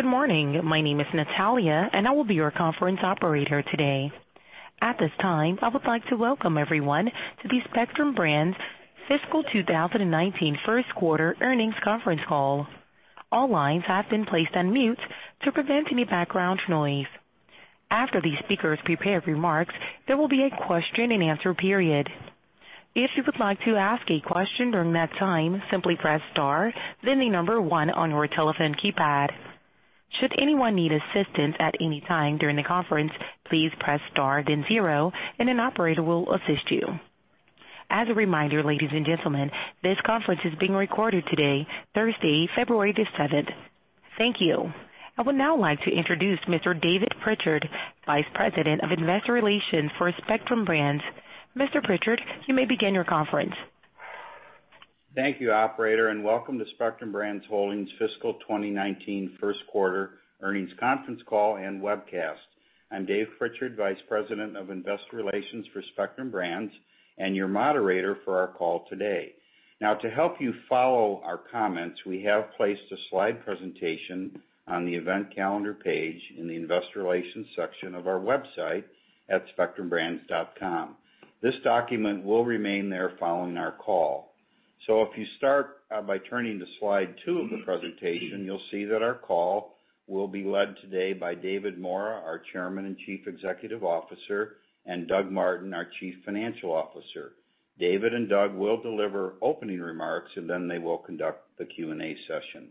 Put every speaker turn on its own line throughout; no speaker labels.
Good morning. My name is Natalia. I will be your conference operator today. At this time, I would like to welcome everyone to the Spectrum Brands fiscal 2019 first quarter earnings conference call. All lines have been placed on mute to prevent any background noise. After the speakers prepare remarks, there will be a question and answer period. If you would like to ask a question during that time, simply press star, then the number one on your telephone keypad. Should anyone need assistance at any time during the conference, please press star, then zero. An operator will assist you. As a reminder, ladies and gentlemen, this conference is being recorded today, Thursday, February the 7th. Thank you. I would now like to introduce Mr. David Prichard, Vice President of Investor Relations for Spectrum Brands. Mr. Prichard, you may begin your conference.
Thank you, operator. Welcome to Spectrum Brands Holdings fiscal 2019 first quarter earnings conference call and webcast. I'm Dave Prichard, Vice President of Investor Relations for Spectrum Brands and your moderator for our call today. To help you follow our comments, we have placed a slide presentation on the event calendar page in the investor relations section of our website at spectrumbrands.com. This document will remain there following our call. If you start by turning to slide two of the presentation, you'll see that our call will be led today by David Maura, our Chairman and Chief Executive Officer, and Doug Martin, our Chief Financial Officer. David and Doug will deliver opening remarks. Then they will conduct the Q&A session.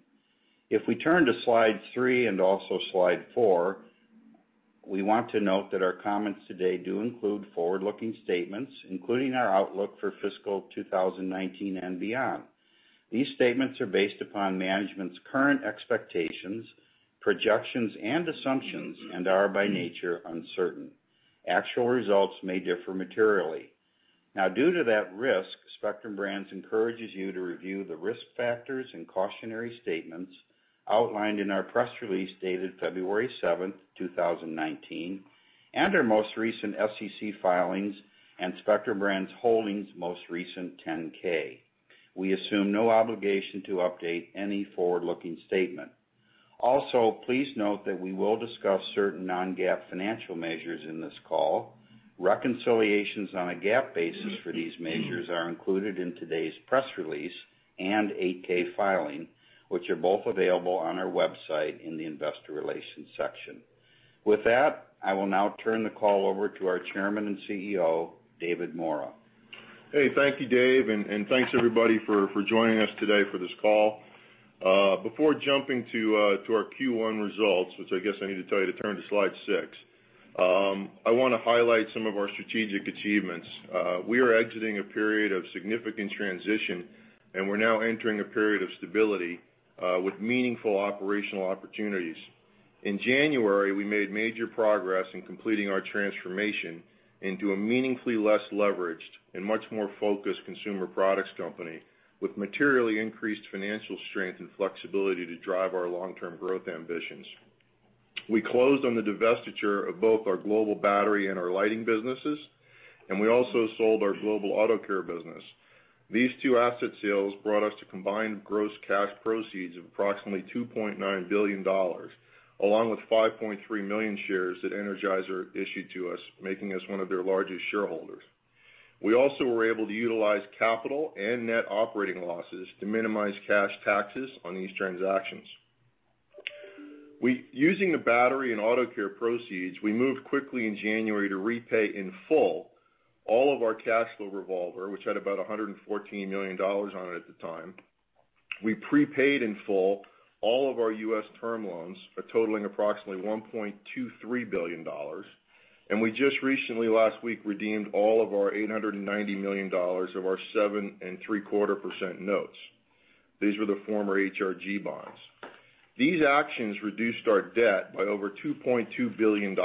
If we turn to slide three and also slide four, we want to note that our comments today do include forward-looking statements, including our outlook for fiscal 2019 and beyond. These statements are based upon management's current expectations, projections, and assumptions, and are by nature uncertain. Actual results may differ materially. Due to that risk, Spectrum Brands encourages you to review the risk factors and cautionary statements outlined in our press release dated February 7th, 2019, and our most recent SEC filings and Spectrum Brands Holdings most recent 10-K. We assume no obligation to update any forward-looking statement. Please note that we will discuss certain non-GAAP financial measures in this call. Reconciliations on a GAAP basis for these measures are included in today's press release and 8-K filing, which are both available on our website in the investor relations section. With that, I will now turn the call over to our Chairman and CEO, David Maura.
Thank you, Dave, and thanks everybody for joining us today for this call. Before jumping to our Q1 results, which I guess I need to tell you to turn to slide six, I want to highlight some of our strategic achievements. We are exiting a period of significant transition. We're now entering a period of stability, with meaningful operational opportunities. In January, we made major progress in completing our transformation into a meaningfully less leveraged and much more focused consumer products company with materially increased financial strength and flexibility to drive our long-term growth ambitions. We closed on the divestiture of both our global battery and our lighting businesses. We also sold our global auto care business. These two asset sales brought us to combined gross cash proceeds of approximately $2.9 billion, along with 5.3 million shares that Energizer issued to us, making us one of their largest shareholders. We also were able to utilize capital and net operating losses to minimize cash taxes on these transactions. Using the battery and auto care proceeds, we moved quickly in January to repay in full all of our cash flow revolver, which had about $114 million on it at the time. We prepaid in full all of our U.S. term loans, totaling approximately $1.23 billion. We just recently last week redeemed all of our $890 million of our 7.75% notes. These were the former HRG bonds. These actions reduced our debt by over $2.2 billion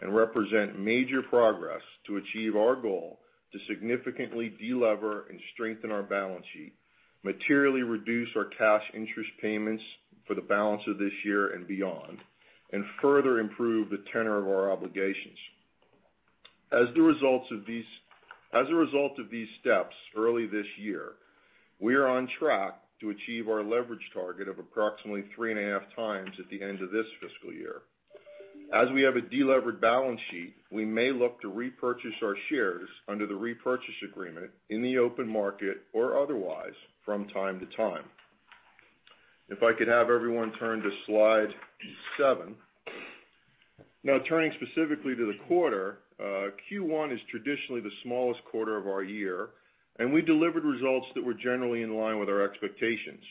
and represent major progress to achieve our goal to significantly de-lever and strengthen our balance sheet, materially reduce our cash interest payments for the balance of this year and beyond, and further improve the tenor of our obligations. As a result of these steps early this year, we are on track to achieve our leverage target of approximately 3.5x at the end of this fiscal year. As we have a de-levered balance sheet, we may look to repurchase our shares under the repurchase agreement in the open market or otherwise from time to time. If I could have everyone turn to slide seven. Turning specifically to the quarter, Q1 is traditionally the smallest quarter of our year. We delivered results that were generally in line with our expectations.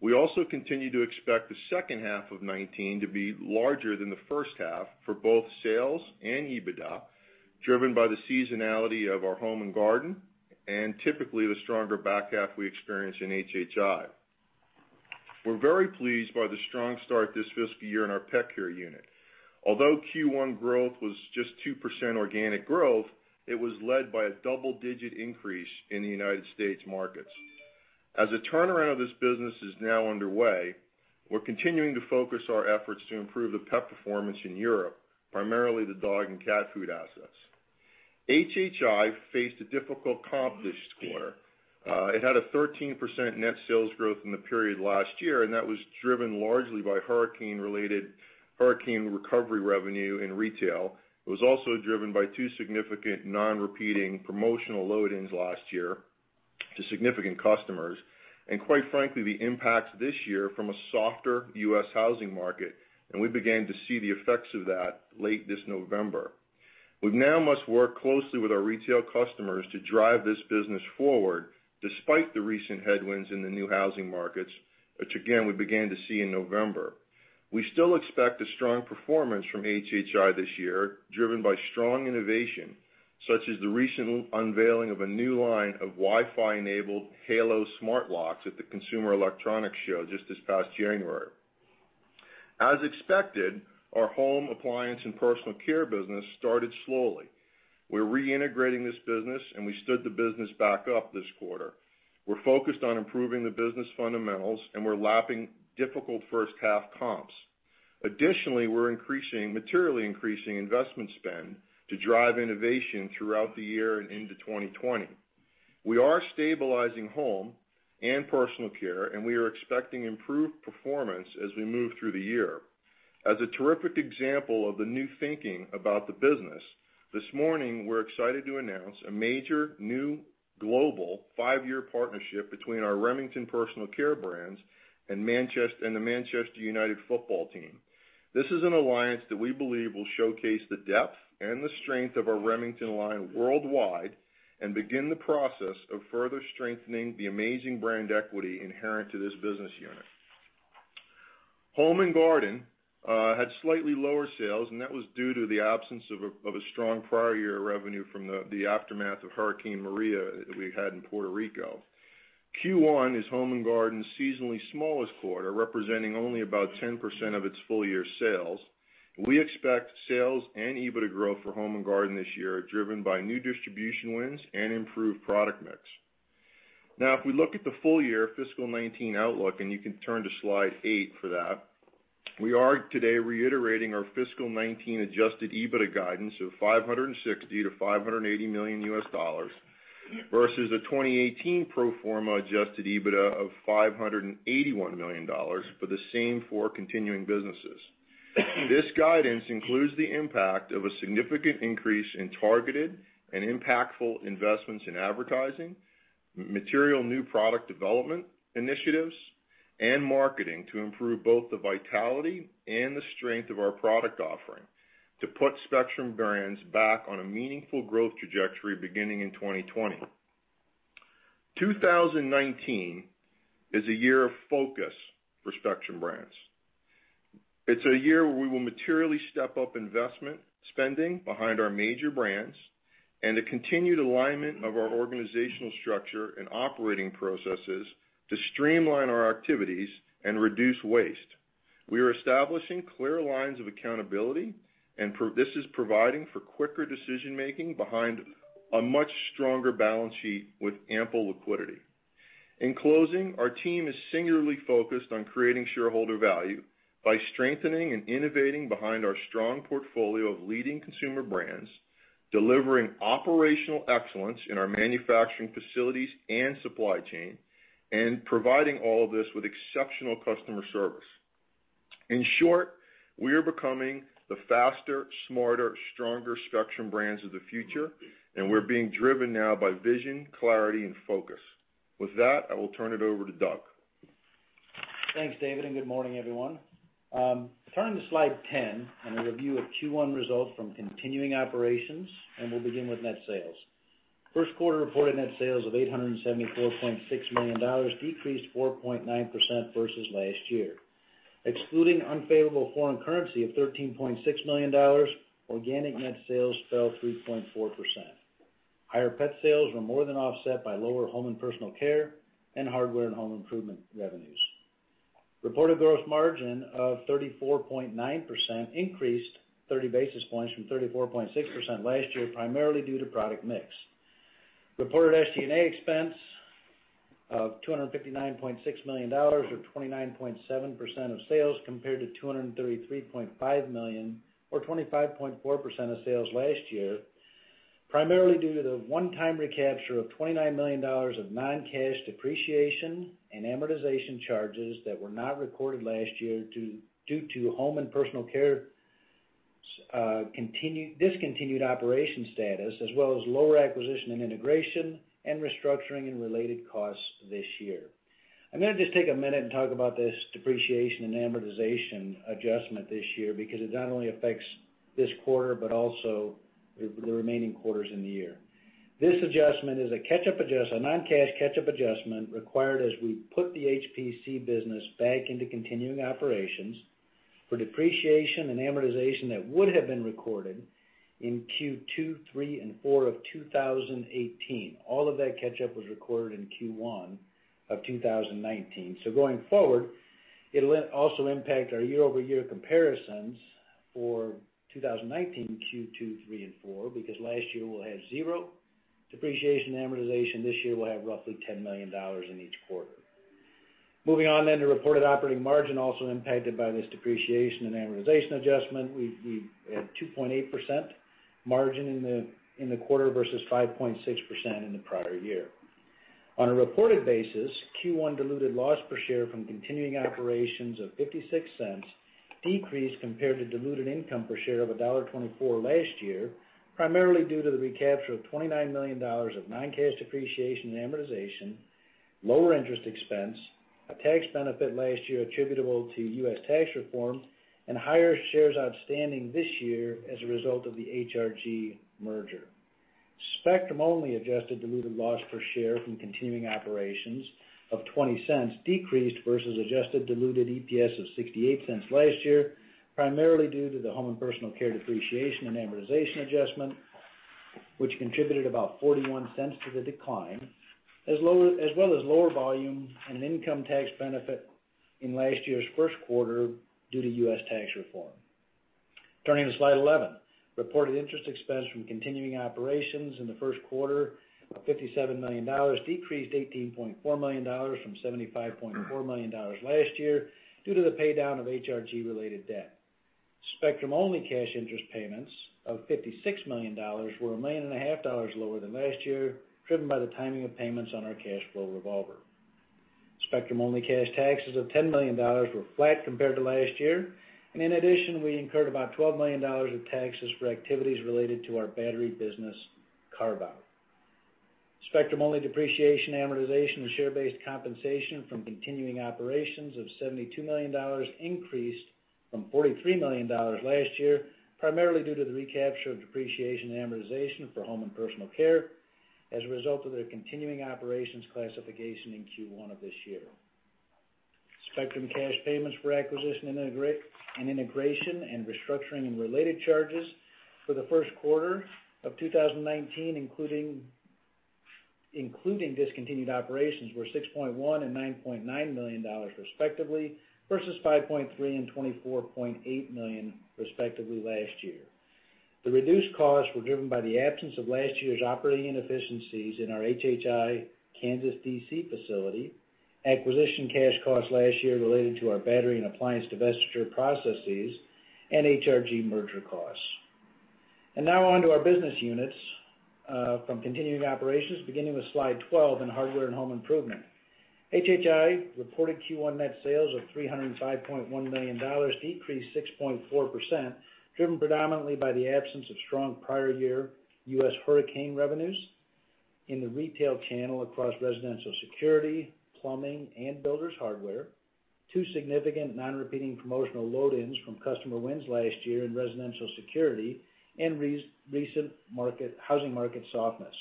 We also continue to expect the H2 of 2019 to be larger than the first half for both sales and EBITDA, driven by the seasonality of our home and garden, and typically the stronger back half we experience in HHI. We're very pleased by the strong start this fiscal year in our pet care unit. Although Q1 growth was just 2% organic growth, it was led by a double-digit increase in the United States markets. As the turnaround of this business is now underway, we're continuing to focus our efforts to improve the pet performance in Europe, primarily the dog and cat food assets. HHI faced a difficult comp this quarter. It had a 13% net sales growth in the period last year. That was driven largely by hurricane-related hurricane recovery revenue in retail. It was also driven by two significant non-repeating promotional load-ins last year to significant customers. Quite frankly, the impacts this year from a softer U.S. housing market, and we began to see the effects of that late this November. We now must work closely with our retail customers to drive this business forward despite the recent headwinds in the new housing markets, which again, we began to see in November. We still expect a strong performance from HHI this year, driven by strong innovation such as the recent unveiling of a new line of Wi-Fi-enabled Kevo smart locks at the Consumer Electronics Show just this past January. As expected, our home appliance and personal care business started slowly. We're reintegrating this business, and we stood the business back up this quarter. We're focused on improving the business fundamentals, and we're lapping difficult first half comps. Additionally, we're materially increasing investment spend to drive innovation throughout the year and into 2020. We are stabilizing home and personal care, and we are expecting improved performance as we move through the year. As a terrific example of the new thinking about the business, this morning, we're excited to announce a major new global five-year partnership between our Remington personal care brands and the Manchester United football team. This is an alliance that we believe will showcase the depth and the strength of our Remington line worldwide and begin the process of further strengthening the amazing brand equity inherent to this business unit. Home and garden had slightly lower sales, and that was due to the absence of a strong prior year revenue from the aftermath of Hurricane Maria that we had in Puerto Rico. Q1 is home and garden's seasonally smallest quarter, representing only about 10% of its full-year sales. We expect sales and EBITDA growth for home and garden this year, driven by new distribution wins and improved product mix. If we look at the full-year fiscal 2019 outlook, and you can turn to slide eight for that, we are today reiterating our fiscal 2019 adjusted EBITDA guidance of $560 million-$580 million versus a 2018 pro forma adjusted EBITDA of $581 million for the same four continuing businesses. This guidance includes the impact of a significant increase in targeted and impactful investments in advertising, material new product development initiatives, and marketing to improve both the vitality and the strength of our product offering to put Spectrum Brands back on a meaningful growth trajectory beginning in 2020. 2019 is a year of focus for Spectrum Brands. It's a year where we will materially step up investment spending behind our major brands and the continued alignment of our organizational structure and operating processes to streamline our activities and reduce waste. We are establishing clear lines of accountability, and this is providing for quicker decision-making behind a much stronger balance sheet with ample liquidity. In closing, our team is singularly focused on creating shareholder value by strengthening and innovating behind our strong portfolio of leading consumer brands, delivering operational excellence in our manufacturing facilities and supply chain, and providing all of this with exceptional customer service. In short, we are becoming the faster, smarter, stronger Spectrum Brands of the future, and we're being driven now by vision, clarity, and focus. With that, I will turn it over to Doug.
Thanks, David, and good morning, everyone. Turn to slide 10, a review of Q1 results from continuing operations, and we'll begin with net sales. First quarter reported net sales of $874.6 million decreased 4.9% versus last year. Excluding unfavorable foreign currency of $13.6 million, organic net sales fell 3.4%. Higher pet sales were more than offset by lower Home & Personal Care and Hardware & Home Improvement revenues. Reported gross margin of 34.9% increased 30 basis points from 34.6% last year, primarily due to product mix. Reported SG&A expense of $259.6 million or 29.7% of sales, compared to $233.5 million or 25.4% of sales last year, primarily due to the one-time recapture of $29 million of non-cash depreciation and amortization charges that were not recorded last year due to Home & Personal Care's discontinued operation status, as well as lower acquisition and integration and restructuring and related costs this year. I'm going to just take a minute and talk about this depreciation and amortization adjustment this year because it not only affects this quarter, but also the remaining quarters in the year. This adjustment is a non-cash catch-up adjustment required as we put the HPC business back into continuing operations for depreciation and amortization that would have been recorded in Q2, Q3, and Q4 of 2018. All of that catch-up was recorded in Q1 of 2019. Going forward, it'll also impact our year-over-year comparisons for 2019 Q2, Q3, and Q4, because last year we'll have zero depreciation and amortization. This year we'll have roughly $10 million in each quarter. Moving on to reported operating margin, also impacted by this depreciation and amortization adjustment. We had 2.8% margin in the quarter versus 5.6% in the prior year. On a reported basis, Q1 diluted loss per share from continuing operations of $0.56 decreased compared to diluted income per share of $1.24 last year, primarily due to the recapture of $29 million of non-cash depreciation and amortization, lower interest expense, a tax benefit last year attributable to U.S. tax reform, and higher shares outstanding this year as a result of the HRG merger. Spectrum-only adjusted diluted loss per share from continuing operations of $0.20 decreased versus adjusted diluted EPS of $0.68 last year, primarily due to the Home & Personal Care depreciation and amortization adjustment, which contributed about $0.41 to the decline, as well as lower volume and income tax benefit in last year's first quarter due to U.S. tax reform. Turning to slide 11. Reported interest expense from continuing operations in the first quarter of $57 million decreased $18.4 million from $75.4 million last year due to the paydown of HRG-related debt. Spectrum-only cash interest payments of $56 million were $1.5 million lower than last year, driven by the timing of payments on our cash flow revolver. Spectrum-only cash taxes of $10 million were flat compared to last year. In addition, we incurred about $12 million of taxes for activities related to our battery business carve-out. Spectrum-only depreciation, amortization, and share-based compensation from continuing operations of $72 million increased from $43 million last year, primarily due to the recapture of depreciation and amortization for Home & Personal Care as a result of their continuing operations classification in Q1 of this year. Spectrum cash payments for acquisition and integration and restructuring and related charges for the first quarter of 2019, including discontinued operations, were $6.1 million and $9.9 million, respectively, versus $5.3 million and $24.8 million, respectively, last year. The reduced costs were driven by the absence of last year's operating inefficiencies in our HHI Kansas D.C. facility, acquisition cash costs last year related to our battery and appliance divestiture processes, and HRG merger costs. Now on to our business units from continuing operations, beginning with slide 12 in Hardware & Home Improvement. HHI reported Q1 net sales of $305.1 million, decreased 6.4%, driven predominantly by the absence of strong prior year U.S. hurricane revenues in the retail channel across residential security, plumbing, and builders hardware, two significant non-repeating promotional load-ins from customer wins last year in residential security, and recent housing market softness.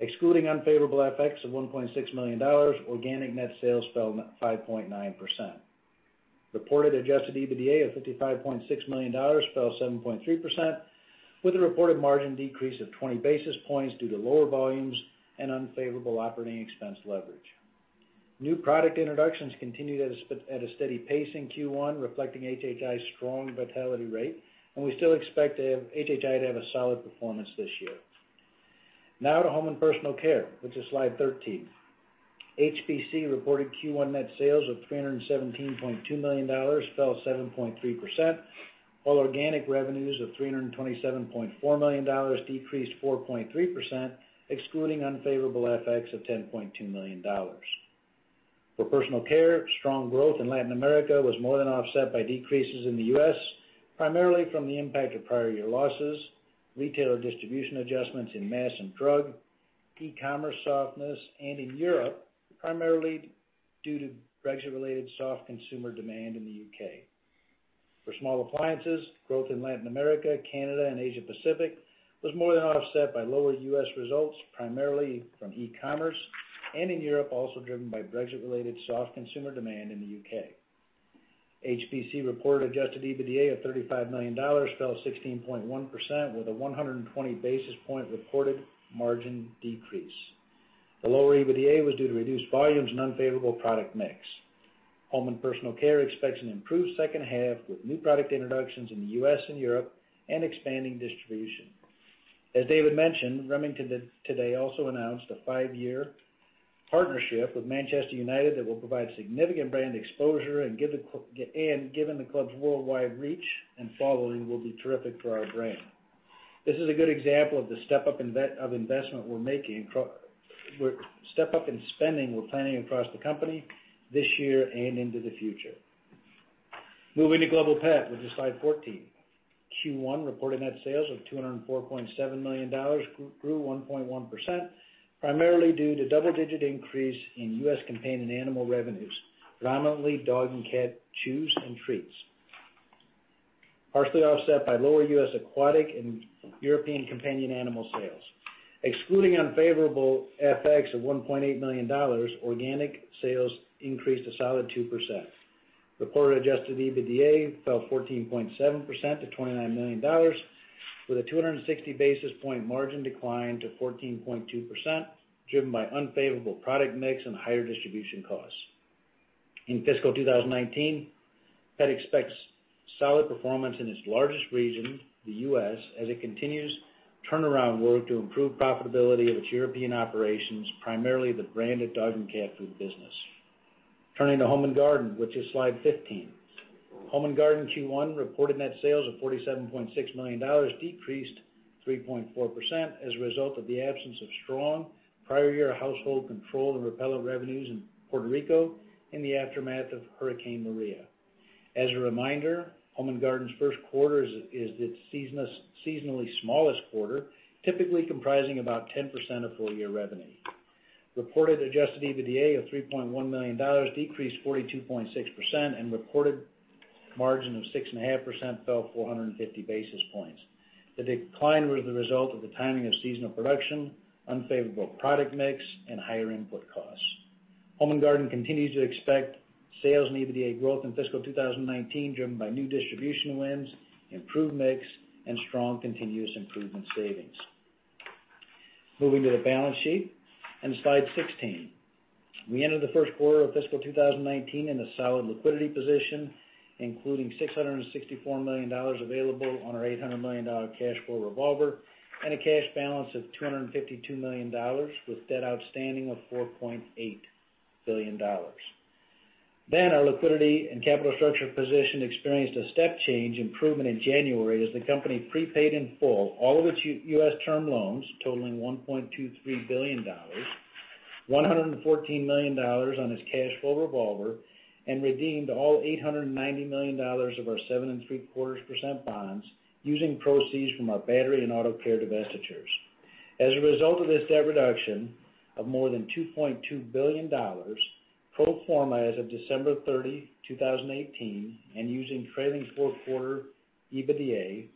Excluding unfavorable FX of $1.6 million, organic net sales fell 5.9%. Reported adjusted EBITDA of $55.6 million fell 7.3%, with a reported margin decrease of 20 basis points due to lower volumes and unfavorable operating expense leverage. New product introductions continued at a steady pace in Q1, reflecting HHI's strong vitality rate. We still expect HHI to have a solid performance this year. Now to Home & Personal Care, which is slide 13. HPC reported Q1 net sales of $317.2 million, fell 7.3%, while organic revenues of $327.4 million decreased 4.3%, excluding unfavorable FX of $10.2 million. For personal care, strong growth in Latin America was more than offset by decreases in the U.S., primarily from the impact of prior year losses, retailer distribution adjustments in mass and drug, e-commerce softness, and in Europe, primarily due to Brexit-related soft consumer demand in the U.K. For small appliances, growth in Latin America, Canada, and Asia Pacific was more than offset by lower U.S. results, primarily from e-commerce, and in Europe, also driven by Brexit-related soft consumer demand in the U.K. HPC reported adjusted EBITDA of $35 million, fell 16.1% with a 120 basis point reported margin decrease. The lower EBITDA was due to reduced volumes and unfavorable product mix. Home & Personal Care expects an improved second half with new product introductions in the U.S. and Europe and expanding distribution. As David mentioned, Remington today also announced a five-year partnership with Manchester United that will provide significant brand exposure. Given the club's worldwide reach and following, will be terrific for our brand. This is a good example of the step up in spending we're planning across the company this year and into the future. Moving to global pet, which is slide 14. Q1 reported net sales of $204.7 million, grew 1.1%, primarily due to double-digit increase in U.S. companion animal revenues, predominantly dog and cat chews and treats, partially offset by lower U.S. aquatic and European companion animal sales. Excluding unfavorable FX of $1.8 million, organic sales increased a solid 2%. Reported adjusted EBITDA fell 14.7% to $29 million, with a 260 basis point margin decline to 14.2%, driven by unfavorable product mix and higher distribution costs. In fiscal 2019 Pet expects solid performance in its largest region, the U.S., as it continues turnaround work to improve profitability of its European operations, primarily the branded dog and cat food business. Turning to Home and Garden, which is slide 15. Home and Garden Q1 reported net sales of $47.6 million, decreased 3.4% as a result of the absence of strong prior year household control and repellent revenues in Puerto Rico in the aftermath of Hurricane Maria. As a reminder, Home and Garden's first quarter is its seasonally smallest quarter, typically comprising about 10% of full-year revenue. Reported adjusted EBITDA of $3.1 million, decreased 42.6%, and reported margin of 6.5% fell 450 basis points. The decline was the result of the timing of seasonal production, unfavorable product mix, and higher input costs. Home and Garden continues to expect sales and EBITDA growth in fiscal 2019, driven by new distribution wins, improved mix, and strong continuous improvement savings. Moving to the balance sheet and slide 16. We entered the first quarter of fiscal 2019 in a solid liquidity position, including $664 million available on our $800 million cash flow revolver and a cash balance of $252 million, with debt outstanding of $4.8 billion. Our liquidity and capital structure position experienced a step change improvement in January as the company prepaid in full all of its U.S. term loans totaling $1.23 billion, $114 million on its cash flow revolver and redeemed all $890 million of our 7.75% bonds using proceeds from our battery and auto care divestitures. As a result of this debt reduction of more than $2.2 billion, pro forma as of December 30, 2018, and using trailing four-quarter EBITDA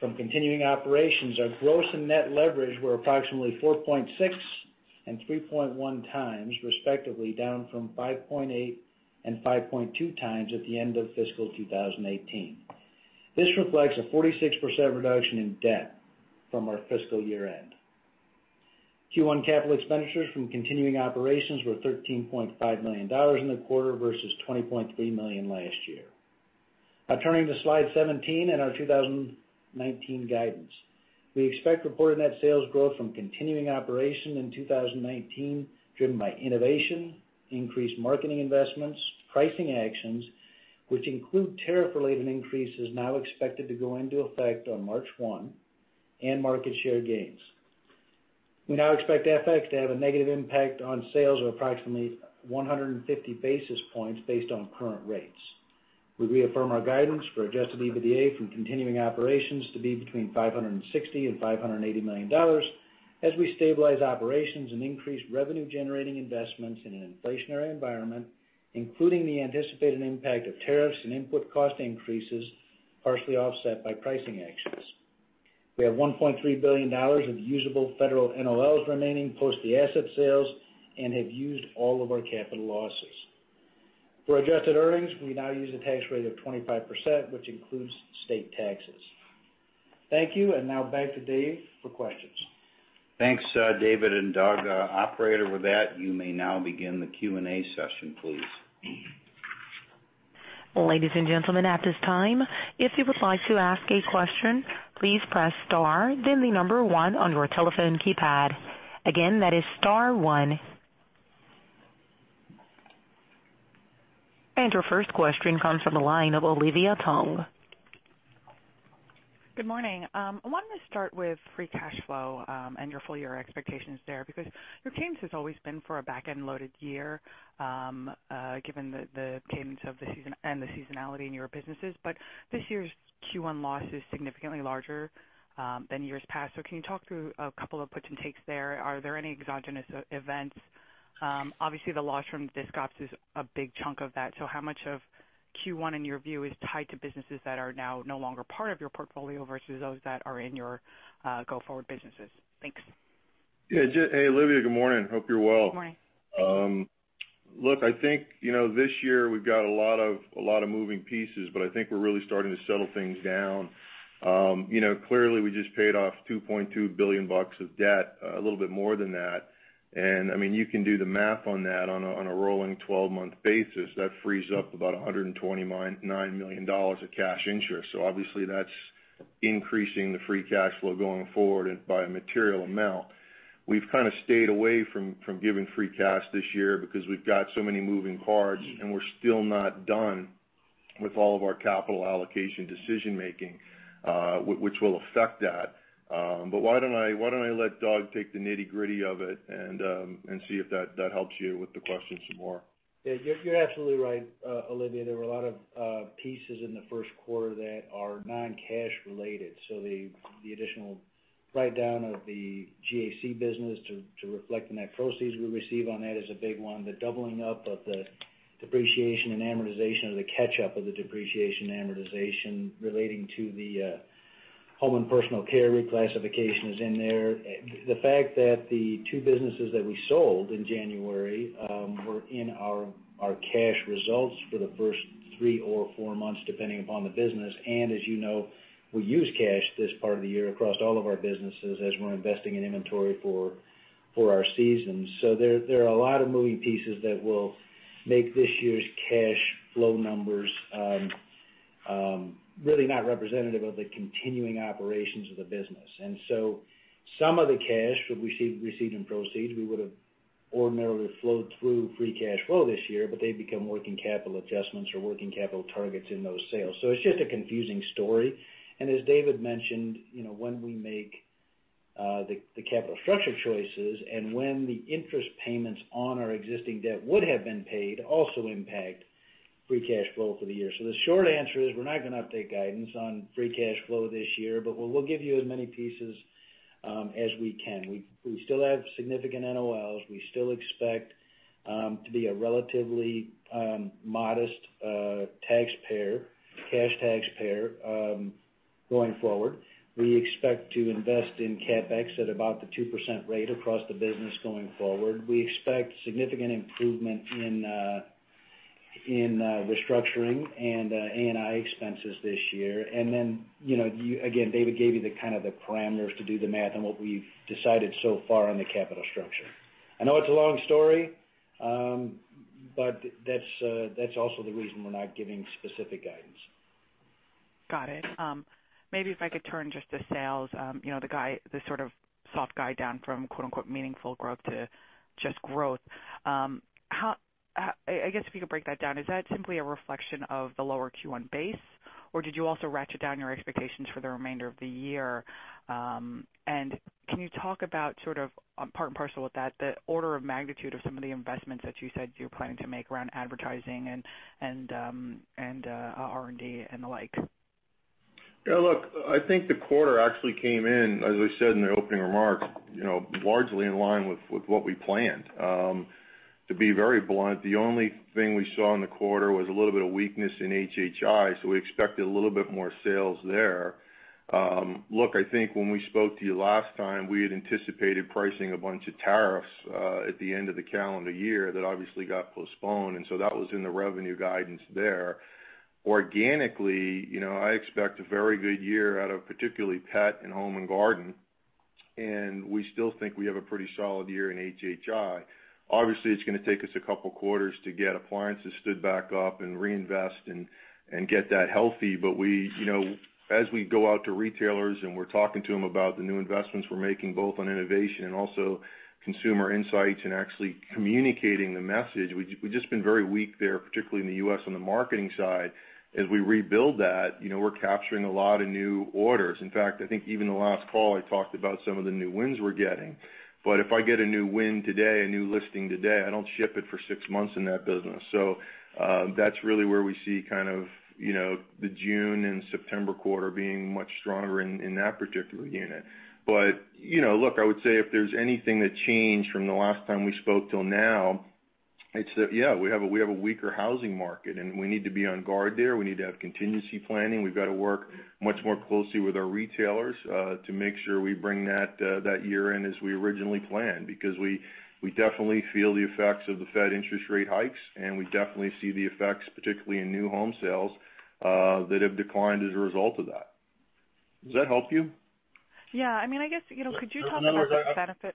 from continuing operations, our gross and net leverage were approximately 4.6 and 3.1x, respectively, down from 5.8 and 5.2x at the end of fiscal 2018. This reflects a 46% reduction in debt from our fiscal year-end. Q1 capital expenditures from continuing operations were $13.5 million in the quarter versus $20.3 million last year. Turning to slide 17 and our 2019 guidance. We expect reported net sales growth from continuing operation in 2019, driven by innovation, increased marketing investments, pricing actions, which include tariff-related increases now expected to go into effect on March 1, and market share gains. We now expect FX to have a negative impact on sales of approximately 150 basis points based on current rates. We reaffirm our guidance for adjusted EBITDA from continuing operations to be between $560 million and $580 million as we stabilize operations and increase revenue-generating investments in an inflationary environment, including the anticipated impact of tariffs and input cost increases, partially offset by pricing actions. We have $1.3 billion of usable Federal NOLs remaining post the asset sales and have used all of our capital losses. For adjusted earnings, we now use a tax rate of 25%, which includes state taxes. Thank you, back to Dave for questions.
Thanks, David and Doug. Operator, with that, you may now begin the Q&A session, please.
Ladies and gentlemen, at this time, if you would like to ask a question, please press star then the number one on your telephone keypad. Again, that is star one. Your first question comes from the line of Olivia Tong.
Good morning. I wanted to start with free cash flow and your full-year expectations there, because your cadence has always been for a back-end loaded year, given the cadence of the season and the seasonality in your businesses. This year's Q1 loss is significantly larger than years past. Can you talk through a couple of puts and takes there? Are there any exogenous events? Obviously, the loss from the disc ops is a big chunk of that. How much of Q1, in your view, is tied to businesses that are now no longer part of your portfolio versus those that are in your go-forward businesses? Thanks.
Yeah. Hey, Olivia, good morning. Hope you're well.
Good morning.
Look, I think this year we've got a lot of moving pieces, but I think we're really starting to settle things down. Clearly we just paid off $2.2 billion of debt, a little bit more than that. You can do the math on that on a rolling 12-month basis. That frees up about $129 million of cash interest. Obviously that's increasing the free cash flow going forward by a material amount. We've kind of stayed away from giving free cash this year because we've got so many moving parts, and we're still not done with all of our capital allocation decision-making, which will affect that. Why don't I let Doug take the nitty-gritty of it and see if that helps you with the question some more.
You're absolutely right, Olivia. There were a lot of pieces in the first quarter that are non-cash related. The additional write-down of the GAC business to reflect the net proceeds we receive on that is a big one. The doubling up of the depreciation and amortization, or the catch-up of the depreciation and amortization relating to the home and personal care reclassification is in there. The fact that the two businesses that we sold in January were in our cash results for the first three or four months, depending upon the business. As you know, we use cash this part of the year across all of our businesses as we're investing in inventory for our season. There are a lot of moving pieces that will make this year's cash flow numbers really not representative of the continuing operations of the business. Some of the cash that we received in proceeds, we would've ordinarily flowed through free cash flow this year, but they become working capital adjustments or working capital targets in those sales. It's just a confusing story. As David mentioned, when we make the capital structure choices and when the interest payments on our existing debt would have been paid, also impact free cash flow for the year. The short answer is, we're not going to update guidance on free cash flow this year, but we'll give you as many pieces as we can. We still have significant NOLs. We still expect to be a relatively modest cash taxpayer, going forward. We expect to invest in CapEx at about the 2% rate across the business going forward. We expect significant improvement in restructuring and A&I expenses this year. Again, David gave you the kind of the parameters to do the math on what we've decided so far on the capital structure. I know it's a long story, that's also the reason we're not giving specific guidance.
Got it. Maybe if I could turn just to sales. The sort of soft guide down from quote unquote "meaningful growth" to just growth. I guess if you could break that down, is that simply a reflection of the lower Q1 base, or did you also ratchet down your expectations for the remainder of the year? Can you talk about sort of, part and parcel with that, the order of magnitude of some of the investments that you said you're planning to make around advertising and R&D and the like?
Yeah, look, I think the quarter actually came in, as I said in the opening remarks, largely in line with what we planned. To be very blunt, the only thing we saw in the quarter was a little bit of weakness in HHI, we expected a little bit more sales there. Look, I think when we spoke to you last time, we had anticipated pricing a bunch of tariffs at the end of the calendar year that obviously got postponed, that was in the revenue guidance there. Organically, I expect a very good year out of particularly Pet and Home and Garden, we still think we have a pretty solid year in HHI. Obviously, it's going to take us a couple of quarters to get appliances stood back up and reinvest and get that healthy. As we go out to retailers and we're talking to them about the new investments we're making, both on innovation and also consumer insights and actually communicating the message, we've just been very weak there, particularly in the U.S. on the marketing side. As we rebuild that, we're capturing a lot of new orders. In fact, I think even the last call, I talked about some of the new wins we're getting. If I get a new win today, a new listing today, I don't ship it for six months in that business. That's really where we see kind of the June and September quarter being much stronger in that particular unit. I would say if there's anything that changed from the last time we spoke till now, it's that, yeah, we have a weaker housing market and we need to be on guard there. We need to have contingency planning. We've got to work much more closely with our retailers to make sure we bring that year in as we originally planned. We definitely feel the effects of the Fed interest rate hikes, and we definitely see the effects, particularly in new home sales, that have declined as a result of that. Does that help you?
Yeah. I guess, could you talk about the benefit.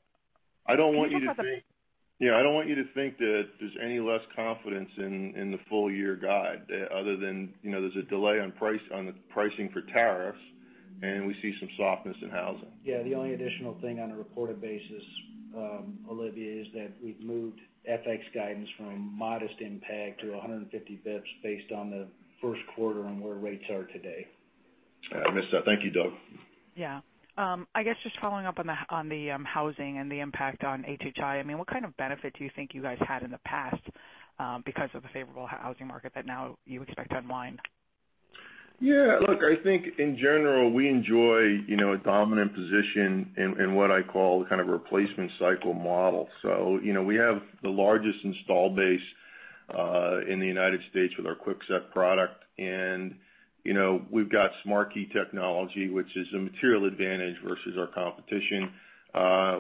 I don't want you to think that there's any less confidence in the full year guide, other than there's a delay on pricing for tariffs, and we see some softness in housing.
Yeah, the only additional thing on a reported basis, Olivia, is that we've moved FX guidance from modest impact to 150 basis points based on the first quarter on where rates are today.
I missed that. Thank you, Doug.
Yeah. I guess just following up on the housing and the impact on HHI. What kind of benefit do you think you guys had in the past because of the favorable housing market that now you expect to unwind?
Yeah, look, I think in general, we enjoy a dominant position in what I call the kind of replacement cycle model. We have the largest install base in the United States with our Kwikset product. We've got SmartKey technology, which is a material advantage versus our competition.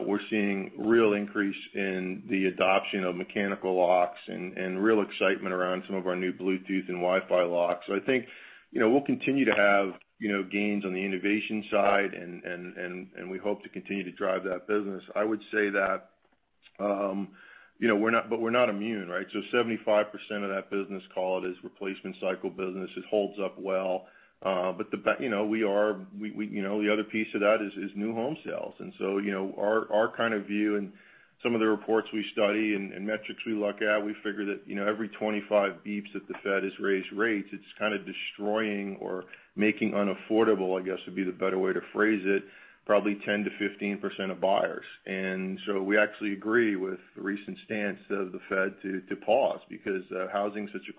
We're seeing real increase in the adoption of mechanical locks and real excitement around some of our new Bluetooth and Wi-Fi locks. I think we'll continue to have gains on the innovation side, and we hope to continue to drive that business. I would say that but we're not immune, right? 75% of that business, call it, is replacement cycle business. It holds up well. The other piece of that is new home sales. Our kind of view and some of the reports we study and metrics we look at, we figure that every 25 basis points that the Fed has raised rates, it's kind of destroying or making unaffordable, I guess would be the better way to phrase it, probably 10%-15% of buyers. We actually agree with the recent stance of the Fed to pause because housing's such a.